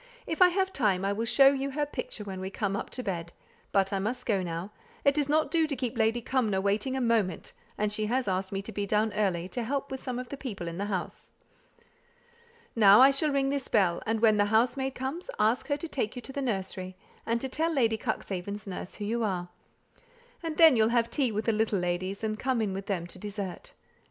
If I have time I will show you her picture when we come up to bed; but I must go now. It does not do to keep Lady Cumnor waiting a moment, and she asked me to be down early, to help with some of the people in the house. Now I shall ring this bell, and when the housemaid comes, ask her to take you into the nursery, and to tell Lady Cuxhaven's nurse who you are. And then you'll have tea with the little ladies, and come in with them to dessert.